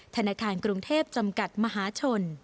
ธนาคารกรุงเทพจำกัดมหาชน